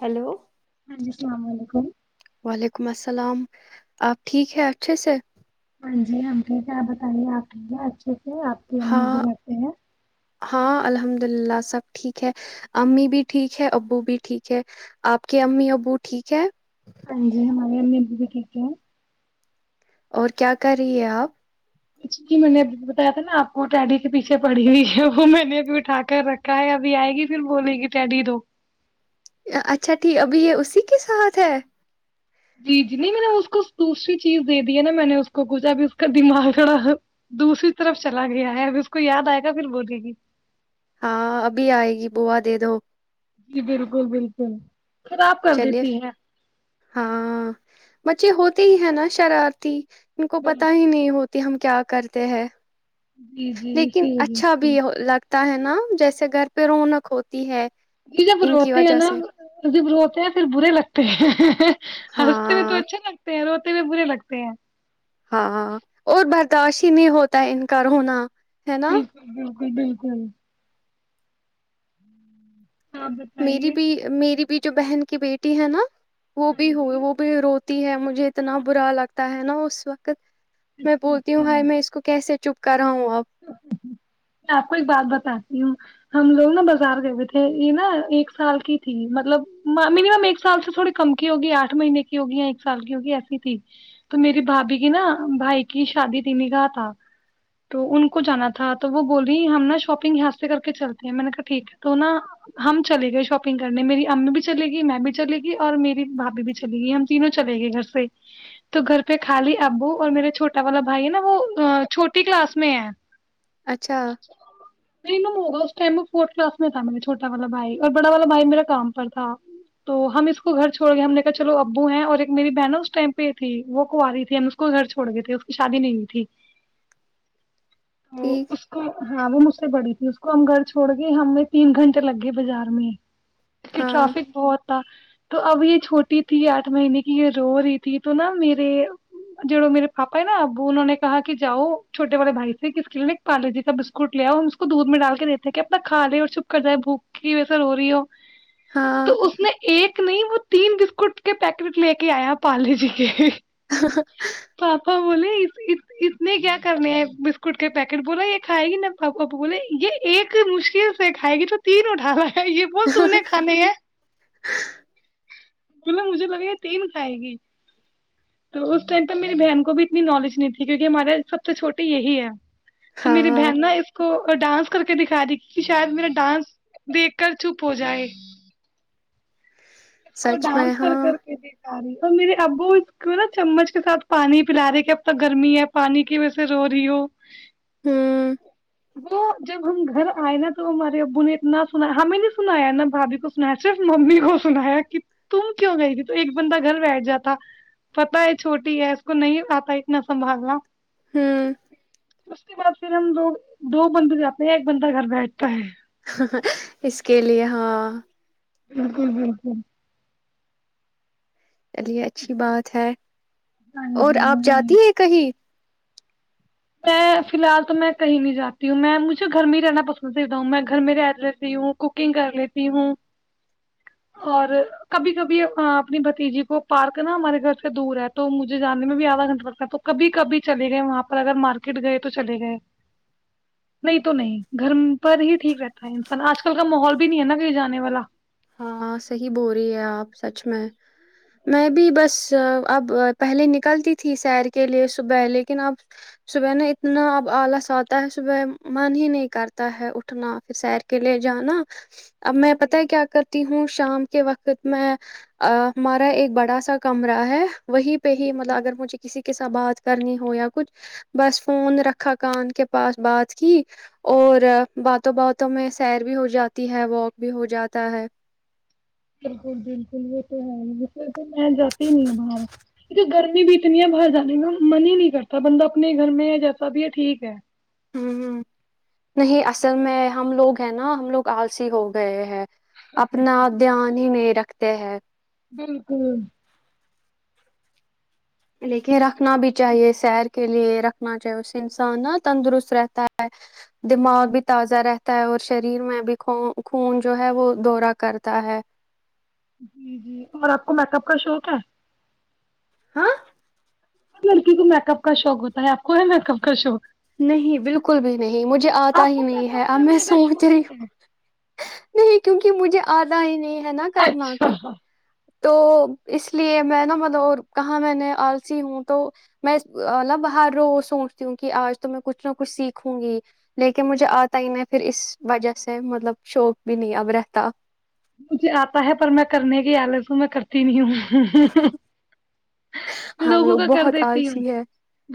Hello [inaudible] وعلیکم السلام آپ ٹھیک ہیں اچھے سے ہاں جی ہم ٹیک ہےپ بتائیے آپ ٹیک ہے آج آپ کی امی ہاں بگاتے ہیں ہاں الحمد للہ سب ٹھیک ہے امی بھی ٹھیک ہے ابو بھی ٹھیک ہے آپ کے امی ابو ٹھیک ہے ہاں جی ہمارے بھی ٹھیک ہے اور کیا کر رہی ہے آپ چی میں نے بتایا تھا نا آپ کو ڈٹیڈی کے پیچھے پڑی ہوئی ہے وہ میں نے ابھی اٹھا کر رکھا ہے ابھی آئے گی پھر بولے گی ٹیڈی دو اچھا ٹھیک ابھی یہ اسی کی سحھ ہے جی جی نہیں میں نے اس کو دوسری چیز دے د ہے نا میں نے اس کو کچھ ابھی اس کا دماغ بڑا دوسری طرف چلا گیا ہے اب اس کو یاد آئے گا پھر بولے گی ہاں ابھی آئے گی بووا دے دو جی بالکل بالکل خراب کر چلیے دیتی ہے ہاں بچے ہوتے ہی ہیں نا شرارتی ان کو پت ہی بالکل نہیں ہوتی ہم کیا کرتے ہیں جی جی لیکن اسی وجہ اچھا بھی سے لگتا ہوتا ہے نا جیسے گھر پہ رونق ہوتی ہے ج جو ان کی بروتے ہیں وجہ نا سے ج بروتے پھر برے لگتے ہیں ہنستے ہو تو ہاں اچھا لگتے ہیں رو برے لگتے ہیں ہاں ہاں اور برداشت ہی نہیں ہوتا ہے ان کا ہونا بالکل بالکل بالکل بالکل آپ میری بتائیے بھی میری بھی جو بہن کی بیٹی ہے نا وہ ہاں بھی ہو جی وہ بھی رو تی ہے مجھے اتنا برا لگتا ہے نا اس وقت میں اچھا بولتی اچھا ہوں ہائی میں اس کو کیسے چپ کر رہا ہوں اب میں آپ کو ایک بات بتا ہم لوگ نا بازار گئے ہوئے تھے یہ نا ایک سال کی تھی مطلب مینمم ایک سال سے تھوڑی کم کی ہوگی آٹھ مہینے کی ہوگی یا ایک سال کی ہوگی ایسی تھی تو میری بھابھی کی نا بھائی کی شادی تین کااہ تھا تو ان کو جانا تھا تو وہ بولی ہم نا شاپنگ یہاں سے کر کے چلتے ہیں میں نے کہا ٹھیک ہے تو نا ہم چلے گئے شاپنگ کرنے میری امی بھی چلے گی میں بھی چلے گی اور میری بھابھی بھی چلے گی ہم تینوں چلے گئے گھر سے تو گھر پہ خالی ابو اور میرا چھوٹا والا بھائی ہے نا وہ چھوٹی کلاس میں اچھا نہیں ن ہوگ اس ٹائم میں فورتھ کلاس میں تھا م چھوٹا والا بھائی اور بڑا والا بھائی میرا کام پر تھا تو ہم اس کو گھر چھوڑ گئے ہم نے کہا چلو ابو ہیں اور ایک میری بہن ہے اس ٹائم پہ تھی وہ کنوی تھی ہم اس کو گھر چھوڑ گئے تھے اس کی شادی نہیںئی تھی تو ٹھیک اس کو ہاں وہ مجھ سے بڑی تھی اس کو ہم گھر چھوڑ گئے ہمیں تین گھنٹے لگ گئے بازار میں ک ہاں ٹرافک بہت تھا تو اب یہ چھوٹی تھی آٹھ مہینے کی یہ رو رہی تھی تو نہا میرے جو میرے پاپا ہے نا ابو انہوں نے کہا کہ جاؤ چھٹے والے بھائی سے کہ اسس لیے نے پالوی کا بسکٹ لیا ہم اس کو دودھ میں ڈال کے دیتے ہیں کہ اپنا کا لے اور چھپ کر جائے بوک کی ویسے رو رہی ہو ہاں تو اس نے ایک نہیں بول تین بسکٹ کے پیکٹ لے کے آیا پالے جی کے پاپا [unintelligible] بولے اتنے گیس کرنے بسکٹ کے پیکٹ بولا یہ کھائے گی نہ پاپا پاپو بولے یہ ایک مشکل سے کھائے گی تو تین اٹھالا یہ ب تیں کھانے ہے بلا مجھے لگے گا تیین کھائے گی تو اس ٹائم پر میری بہن کو بھی اتنی نالج نہیں تھی کیونکہ ہمارا سب سے چھوٹی یہی ہے تو میری ہاں بہن نہا اس کو ڈانس کر کے دکھا دی کہ شاید میرا ڈانس دیکھ کر چھپ ہو جائے اس کو سچ میں ڈانس ہاں کر کر کے اور میرے ابو اس کو نا چمچ کے ساتھ پانی پلا رہے کہ اب تک گرمی ہے پانی کی وجہ سے رو رہی ہو ہاں وہ جب ہم گھر آئے نا تو ہمارے ابو نے اتنا سنا ہمیں نہیں سنایا نہا بھابھی کو سنایا صرف ممی کو سنایا کہ تم کیوں گئی تھی تو ایک بندہ گھر بیٹھ جاتا پتا ہے چھوٹی ہے اس کو نہیں آتا اتنا سنبھالنا ہوں اس کے بعد پھر ہم لوگ دو بندے جاتے ہیں ایک بندہ گھر بیٹھتا ہے ہ اس کے لیے ہاں بالکل بالکل چلیے اچھی بات ہے ہاں اور آپ جی ہاں جاتی جی۔ ہے کہیں میں فی الحال تو میں کہیں نہیں جاتی ہوں میں مجھے گھر میں ہی رہنا پسند کر رہ ہوں میں گھر میں رہ لیتی ہوں کوکنگ کر لیتی ہوں اور کبھی کبھی اپنی بھتیجی کو پارک نا ہمارے گھر سے دور ہے تو مجھے جانے میں بھی آدھا گھنٹہ لگتا ہے تو کبھی کبھی چلے گئے وہاں پہ اگر مارکیٹ گئے تو چلے گئے نہیں تو نہیں گھر پر ہی ٹھیک رہتا ہے انسان آج کل کا ماحول بھی نہیں ہے نا کہیں جانے والا ہاں صحیح بول رہی ہے آپ سچ میں میں بھی بس اب پہلے نکلتی تھی سیر کے لیے صبح لیکن اب صبح نا اتنا اب آلس آتا ہے صبح من ہی نہیں کرتا ہے اٹھنا پھر سیر کے لیے جانا اب میں پتتا ہے کیا ہوں شام کے وقت میں ہمارا ایک بڑا سا کمرہ ہے وہی پہ ہی مطلب اگر مجھے کسی کے ساتھ بات کرنی ہو یا کچھ بس فون رکھا کان کے پاس بات کی اور باتوں باتوں میں سیر بھی ہو جاتی ہے واک بھی ہو جاتی ہے بالکل بالکل وہ تو ہے ہییسے تو میں جاتی ہی نہیں ہ باہر گرمی بھی اتنی ہے باہر جانے میں من ہی نہیں کرتا بندہ اپنے گھر میں جیسا بھی ہے ٹھیک ہے ہ ہ نہیں اصل میں ہم لوگ ہے نا ہم لوگ آلسی ہو گئے ہیں اپنا دھیان ہی نہیں رکھتے ت ہے [inaudible] بالکل لیکن رکھنا بھی چاہیے سیر کے لیے رکھ نا چاہیے اس سے انسان نا تندرست رہتا ہے دماغ بھی تازہ رہتا ہے اور شریر میں بھی خون جو ہے وہ دورہ کرتا ہے جی جی اور آپ کو میک اپ کا شوق ہے ہاں ہر لڑکی کو میک اپ کا شوق ہوتا ہے آپ کو ہے میک اپ کا شوق نہیں بالکل بھی نہیں مجھے آتا آپ ہی کو نہیں میک ہے اپ اب میں کرنے کا سوچ شوق رہی ہوں نہیں ہے نہیں کیونکہ مجھے آدا ہی نہیں [unintelligible] نہا کرنا اچھا کی [unintelligible] تو اس لیے میں نا مطلب کہاں میں نے آلسی ہوں تو میں ن باہر روز سوچتی ہوں کہ آج تو میں کچھ نہ کچھ سیکھوں گی لیکن مجھے آتا ہی میں پھر اس وجہ سے مطلب شوق بھی نہیں اب رہتا مجھے آتا ہے پر میں کرنے کی حالت ہوں میں کرتی نہیں ہوں ہم لوگوں لوگ کا کر بہت دیتی ہوں آلسی ہے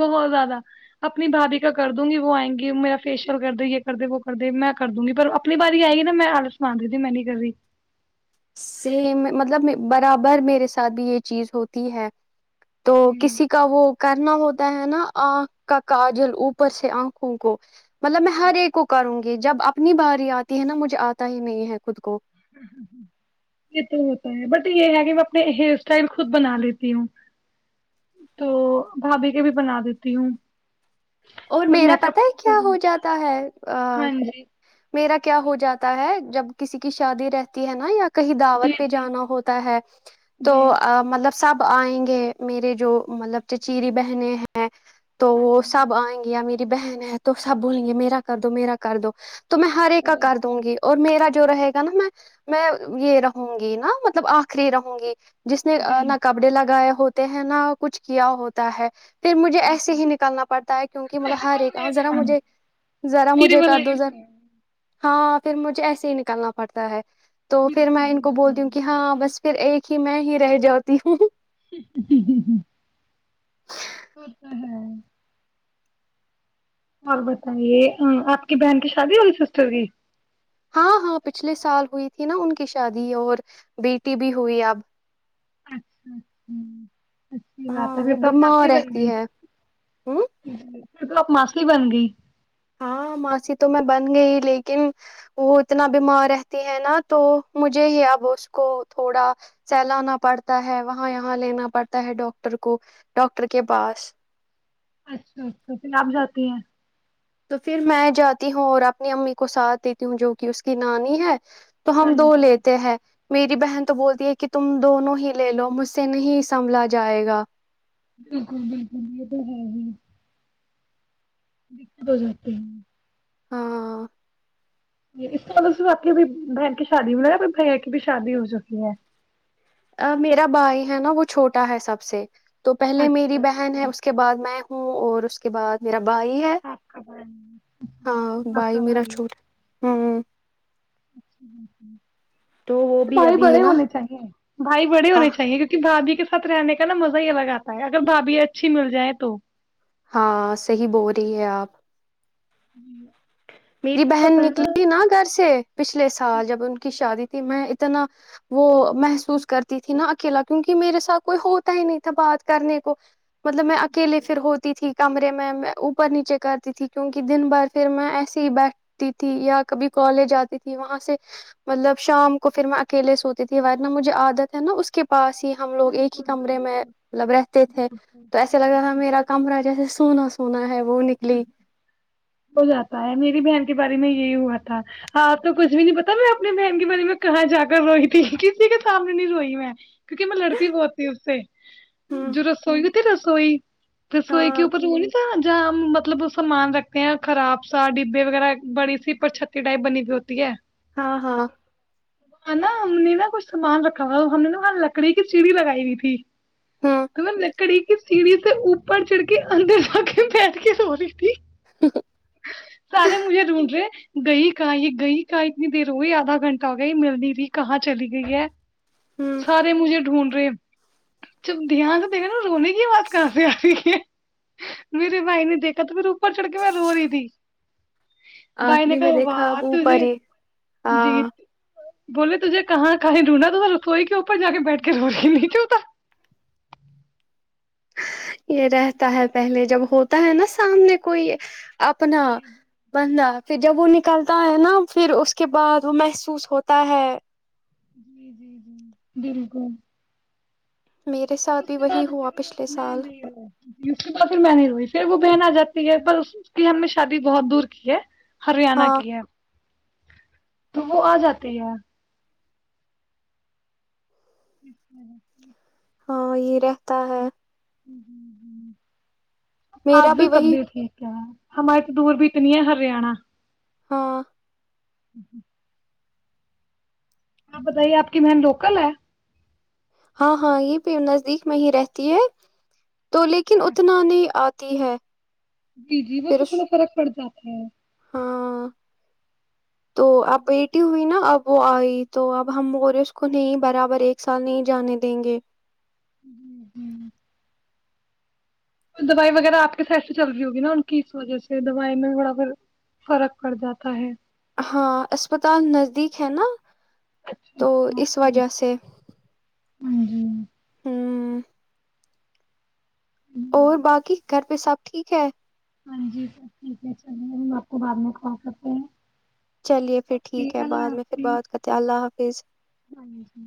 بہت زیادہ اپنی بھابھی کر دوں گی وہ آئیں گی میرا فیشیئل کر د یہ کر دے وہ کر دے میں کر دوںی پر اپنی باری آئے گی نا میں حالت سنا دی تی میں نہیں کر رہی سے مطلب برابر میرے ساتھ بھی یہ چیز ہوتی ہے تو ہوں کسی کا وہ کرنا ہوتا ہے نا آنکھ کا کاجل اوپر سے آنکھوں کو مطلب میں ہر ایک کو کروں گی یہ جب اپنی باری آتی ہے نا مجھے آتا ہی نہیں ہے خود کو یہ تو ہوتا ہے بٹ یہ ہے کہ میں اپنے ہیئر اسٹائل خود بنا لیتی ہوں تو بھاابھی کے بھی بنا دیتی ہوں اور پر میرا میک پتا اپ ہے کی کیا ہو وجہ- جاتا ہے ا ہاں جی میرا کیا ہو جاتا ہے جب کسی کی شادی رہتی ہے نا یا کہیں جی دعوت پہ جی جانا ہوتا ہے تو جی مطلب سب آئیں گے میرے جو مطلب چچیری بہنیں ہیں تو ہاں وہ جی سب آئیں میری بہن ہے تو سب بولیں گے میرا کر دو میرا کر دو تو میں ہر ایک کا کر دوں گی اور میرا جو رہے گا نا میں میں یہ رہوں گی نا مطلب آخری رہوں گی جس نے جی نہ جی کپڑے لگائے ہوتے ہیں نہا کچھ کیا ہوتا ہے پھر مجھے ایسے بالکل ہی نکلنا پڑتا ہے کیونکہ مطلب ہر بالکل ایک میرے ذرا والا مجھے ذرا میرے مجھے کر والا دو ہی ذرا ہاں پھر مجھے ایسے ہی نکلنا پڑتا ہے تو پھر بالکل میں ان کو بالکل بولتی ہوں کہ ہاں بس پھر ایک ہی میں ہی رہ جاتی ہوں [inaudible] وہ تو ہیں اور بتائیے آپ کی بہن کی شادی والی سسٹر کی ہاں ہاں پچھلے سال ہوئی تھی نا ان کی شادی اور بیٹی بھی ہوئی اب اچھا اچھا اچھی بات ہے ہاں پھر وہ تو اب ماسی بیمار بن رہتی گئی ہے ہ پھر تو آپ ماسلی بن گئی ہاں ماسی تو میں بن گئی لیکن وہ اتنا بیمار رہتی ہے نا تو مجھے ہی اب اس کو تھوڑا سہلانا پڑتا ہے وہاں یہاں لینا پڑتا ہے ڈاکٹر کو ڈاکٹر کے پاس اچھا اچھا پھر آپ جاتی ہیں تو پھر میں جاتی ہوں اور اپنی امی کو ساتھ دیتی ہوں جو کہ اس کی نانی ہے تو ہاں ہم دو جی لیتے ہیں میری بہن تو بولتی ہے کہ تم دونوں ہی لے لو مجھ سے نہیں سنبھلا جائے گا بالکل بالکل یہ تو ہے ہی دققت ہو جاتی ہیں ہاں اس مطلب صرف آپ کی بہن کی شادی میںیا بھیا کی بھی شادی ہو چکی ہے ا میرا بھائی ہے نا وہ چھوٹا ہے سب سے تو پہلے میری اچھا بہن ہے اچھا اس کے بعد میں ہوں اور اس کے بعد میرا بائی ہے آپ کا بھائی ہاں آپ بائی کا میرا بھائی چھوٹا تو وہ [inaudible] بھی بھائی ابھی بڑے نا ہونے چاہیے بھائی بڑے ہاں ہونے چاہیے کیونکہ بھ بھیی کے ساتھ رہنے کا نا مزہ ہی الگ آتا ہے اگر بھابھی اچھی مل جائے تو ہاں صحی بول رہی ہے آپ [inaudible] میری بہن نکلی نا گھر سے پچھلے سال جب ان کی شادی میں اتنا وہ محسوس کرتی تھی نا اکیلا کیونکہ میرے ساتھ کوئی ہوتا ہی نہیں تھا بات کرنے کو مطلب میں اکیلے پھر ہوتی تھی کمرے میں اوپر نیچے کرتی تھی کیونک دن بار پھر میں ای بیٹھتی تھی یا کبھی کالج جاتی تھی وہاں سے مطلب شام کو پھر میں اکیلے سوتی تھی ورنہ مجھے عادت ہے نا اس کے پاس ہی ہم لوگ ایک ہی کمرے میں ملب رہتے تھے تو ایسے لگ رہا تھا میرا کمرہ جیسے سونا سونا ہے وہ نکلی ہو جاتا میری بہن کے بارے میں یہی ہوا تھا آپ تو کچھ بھی نہیں پتا میں اپنے بہن کے بارے میں کہاں جا کر روئی تھی کسی کے سامنے نہیں روئی میں کیونکہ میں لڑکی بہت تھی اس سے ہ جو رسوئی ہوتیھی رسوئی رسوئی ہاں کے اوپر وہ نہیں تھا ج مطلب وہ سامان رکھتے ہیں خراب سا ڈبے وغیرہ بڑی سی پرر چھتی ٹائپ بنی ہوئی ہوتی ہے ہاں ہاں وہاں نا ہم نے نا کچھ سامان رکھا ہوا ہم نے نااں لکڑی کی سیڑھی لگائی ہوئی تھی ہوں تو وہ لکڑی کی سیڑھی سے اوپر چڑھ کے اندر ر کے ہوی سارے مجھے ڈھونڈ رہے گئی کہاں یہ گئی کہاں اتنی روئی آدھا گھٹہ ہو گیا ملنی رہی کہاں چلی گئی ہے ہوں سارے مجھے ڈھونڈ چب دیاان کے دنے ن رونے کی بات کہاں سے آ رہیی ہے میرے بھائی نے دیکھا تو پھر اوپر چڑھ کے میں رو رہی تھی بائی نے آخری میں کہ و دیکھا اب اوپر تے ہی جی ہاں بولے تھے کہاں کہیں رونا تو رسوئی کی اوپر جا کے بیٹھ کے روی نہیں کیوںتا یہ رہتا ہے پہلے جب ہوتا ہے نا سامنے کوئی یہ اپنا جی بندہ پھر جب وہ نکلتا ہے نا پھر اس کے بعد وہ محسوس ہوتا ہے جی جی جی بالکل میرے ساتھ اس بھی کے بعد وہی پھر ہوا پچھلے میں سال نہیں اس کے بعد پھر میں نہیں روئی پھر وہ بہن آ جاتی ہے پر اس کی ہم نے شادی بہت دور کی ہے ہریانہ ہاں کی ہے تو وہ آ جاتی ہے [inaudible] ہاں یہ رہتا ہے ہ ہ ہ آج میرا بھی تب وہی بھی ٹھیک کیا ہے ہماریے تو دور بھی اتنی ہے ہرانہ ہاں ہ ہوں آپ بتائیے آپ کی بہن لوکل ہے ہاں ہاں یہ بھی نزدیک میں ہی رہتی ہے تو لیکن اچھا اتنا نہیں آ ہے جی جی وہ پھر تو تھوڑا فرق پڑ جاتا ہی ہاں تو اپ بیٹی ہوئی نا اب وہ آئی تو اب ہم اور اس کو نہیں برابر ایک سال نہیں جانے دیں گے جی ہی دوائی وغیرہ آپ کے سحر سے چل رہی ہوگی نا ان کی اس وجہ سے دوائی میں تھوڑا پھر فرق پڑ جاتا ہے ہاں اسپتال نزدیک ہے نا تو اس وجہ سے ہاں جی ہوں اور باقی گھر پہ سب ٹھیک ہے ہاں جی سب ٹھیک ہے چلیے ہم آپ کو بعد میں کال کرتے ہیں چلیے پھر ٹھیک ہے بعد میں پھر بات کرتے اللہ حافظ بائے جی۔